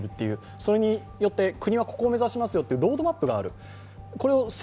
それによって国はここを目指しますというロードマップがある。